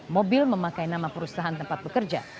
mobil memakai nama perusahaan tempat bekerja